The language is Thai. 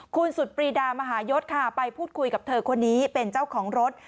คุณสุดปรีดามหายศค่ะไปพูดคุยกับเธอคนนี้เป็นเจ้าของรถ